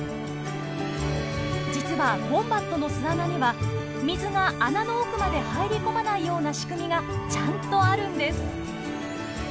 実はウォンバットの巣穴には水が穴の奥まで入り込まないような仕組みがちゃんとあるんです。